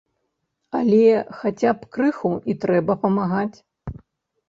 Але хаця б крыху і трэба памагаць.